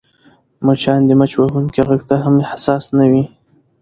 مچان د مچ وهونکي غږ ته هم حساس نه وي